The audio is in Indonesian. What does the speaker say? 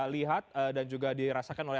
lihat dan juga dirasakan oleh